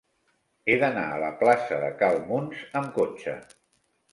He d'anar a la plaça de Cal Muns amb cotxe.